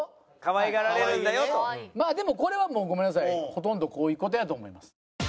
ほとんどこういう事やと思います。